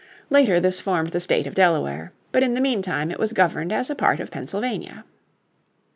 Later this formed the State of Delaware, but in the meantime it was governed as a part of Pennsylvania.